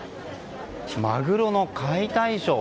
マグロの解体ショー。